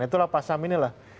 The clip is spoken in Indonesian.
itulah pasang ini lah